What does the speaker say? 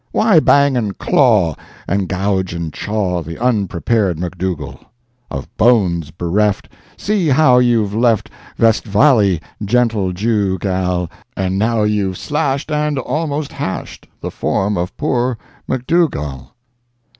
Why bang and claw, And gouge and chaw The unprepared Macdougall? Of bones bereft, See how you've left, Vestvali, gentle Jew gal— And now you've slashed, And almost hashed, The form of poor Macdougall.